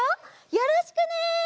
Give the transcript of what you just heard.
よろしくね！